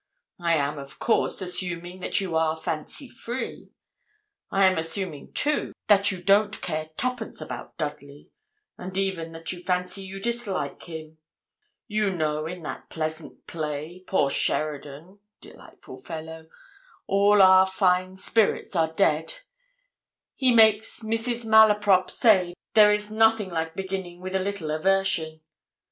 'I am, of course, assuming that you are fancy free. I am assuming, too, that you don't care twopence about Dudley, and even that you fancy you dislike him. You know in that pleasant play, poor Sheridan delightful fellow! all our fine spirits are dead he makes Mrs. Malaprop say there is nothing like beginning with a little aversion.